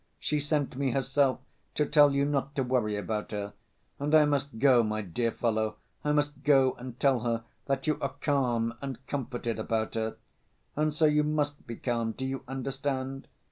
She sent me herself, to tell you not to worry about her. And I must go, my dear fellow, I must go and tell her that you are calm and comforted about her. And so you must be calm, do you understand?